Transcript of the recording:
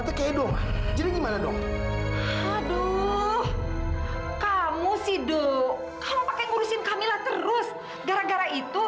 kak fadil sini deh